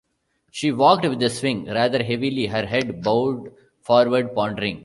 She walked with a swing, rather heavily, her head bowed forward, pondering.